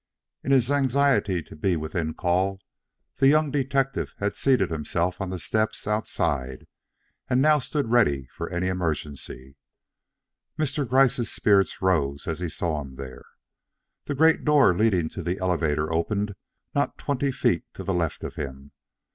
In his anxiety to be within call, the young detective had seated himself on the steps outside and now stood ready for any emergency. Mr. Gryce's spirits rose as he saw him there. The great door leading to the elevator opened not twenty feet to the left of him.